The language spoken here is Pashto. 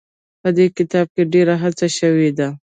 په دې کتاب کې ډېره هڅه شوې ده.